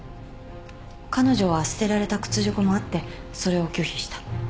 彼女は捨てられた屈辱もあってそれを拒否した。